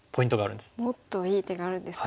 もっといい手があるんですか？